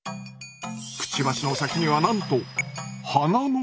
くちばしの先にはなんと鼻の穴が。